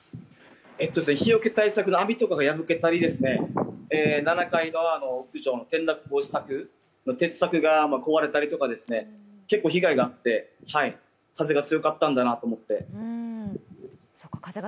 日よけ対策の網とかが破けたり、転落防止柵が壊れたりとか、結構被害があって、風が強かったんだなと思って。